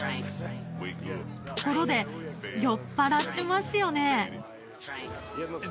ところで酔っ払ってますよね？